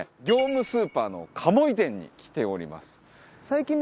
業務スーパーの鴨居店に来ております。